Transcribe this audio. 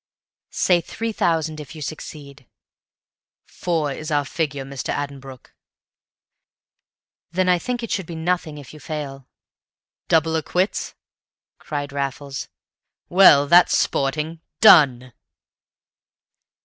"Say three thousand if you succeed!" "Four is our figure, Mr. Addenbrooke." "Then I think it should be nothing if you fail." "Doubles or quits?" cried Raffles. "Well, that's sporting. Done!"